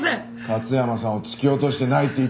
勝山さんを突き落としてないって言ったのも。